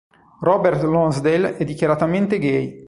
Robert Lonsdale è dichiaratamente gay.